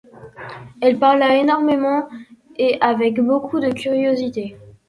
Elle parla énormément et avec beaucoup de curiosité.